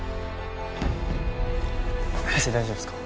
汗大丈夫ですか？